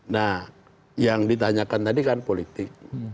nah yang ditanyakan tadi kan politik